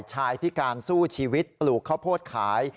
พิการสู้ชีวิตปลูกข้าวโพดขาย